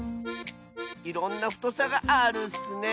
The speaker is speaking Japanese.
いろんなふとさがあるッスね。